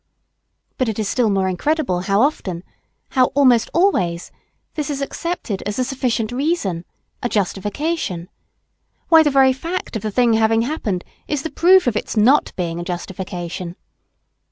But it is still more incredible how often, how almost always this is accepted as a sufficient reason, a justification; why, the very fact of the thing having happened is the proof of its not being a justification.